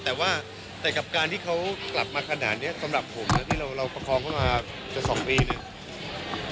แต่ว่าแต่กับการที่เขากลับมาขนาดนี้สำหรับผมนะที่เราประคองเข้ามาจะสองปีหนึ่ง